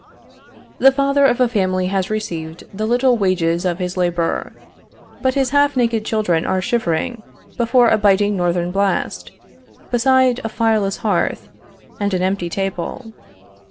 The father of a family has received the little wages of his labor; but his half naked children are shivering before a biting northern blast, beside a fireless hearth, and an empty table.